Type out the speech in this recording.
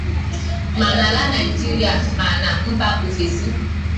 ma n'ala Nigeria ma na mba ofesi